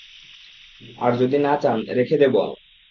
আর যদি না চান, রেখে দেবো আমি।